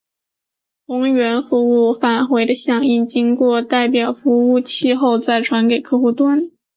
从源服务器返回的响应经过代理服务器后再传给客户端。